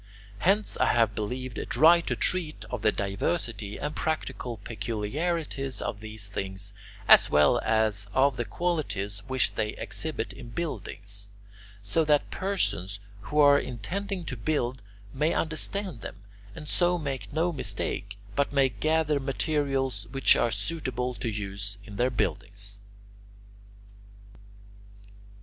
Hence I believed it right to treat of the diversity and practical peculiarities of these things as well as of the qualities which they exhibit in buildings, so that persons who are intending to build may understand them and so make no mistake, but may gather materials which are suitable to use in their buildings.